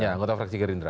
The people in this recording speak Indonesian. ya anggota fraksi gerindra